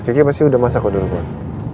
kiki pasti udah masak udah rumah